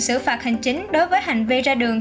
xử phạt hành chính đối với hành vi ra đường